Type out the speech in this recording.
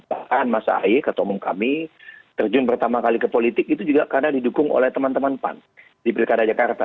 bahkan mas ahaye ketua umum kami terjun pertama kali ke politik itu juga karena didukung oleh teman teman pan di pilkada jakarta